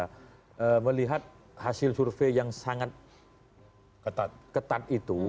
karena melihat hasil survei yang sangat ketat itu